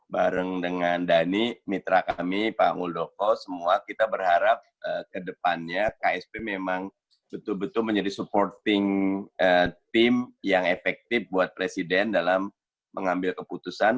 bareng dengan dhani mitra kami pak muldoko semua kita berharap kedepannya ksp memang betul betul menjadi supporting team yang efektif buat presiden dalam mengambil keputusan